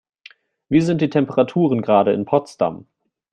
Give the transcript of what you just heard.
Wie sind die Temperaturen gerade in Potsdam?